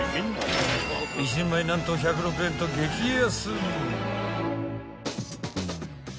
［１人前何と１０６円と激安］